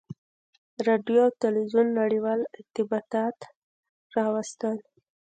• راډیو او تلویزیون نړیوال ارتباطات راوستل.